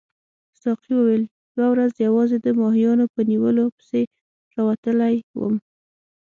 ساقي وویل یوه ورځ یوازې د ماهیانو په نیولو پسې راوتلی وم.